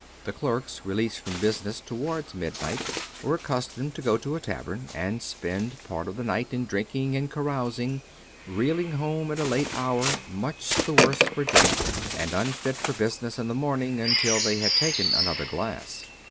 The clerks, released from business towards midnight, were accustomed to go to a tavern and spend part of the night in drinking and carousing; reeling home at a late hour, much the worse for drink, and unfit for business in the morning until they had taken another glass.